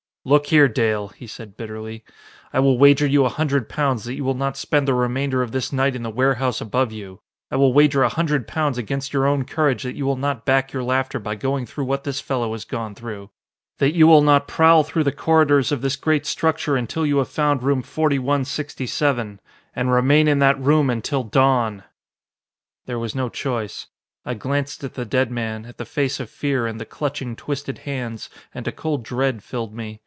"Look here, Dale," he said bitterly, "I will wager you a hundred pounds that you will not spend the remainder of this night in the warehouse above you! I will wager a hundred pounds against your own courage that you will not back your laughter by going through what this fellow has gone through. That you will not prowl through the corridors of this great structure until you have found room 4167 and remain in that room until dawn!" There was no choice. I glanced at the dead man, at the face of fear and the clutching, twisted hands, and a cold dread filled me.